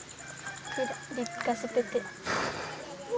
tidak dikasih titik